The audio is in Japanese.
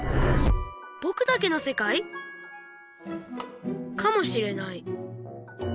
ぼくだけのせかい？かもしれない。